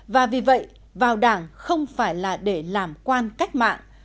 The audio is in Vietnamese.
và vì vậy vào đảng không phải là để làm quan cách mạng